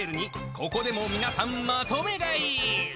ここでも皆さん、まとめ買い。